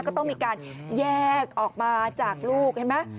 ก็ต้องมีการแยกออกมาจากลูกเห็นไหม